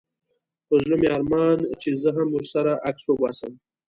په زړه مي ارمان چي زه هم ورسره عکس وباسم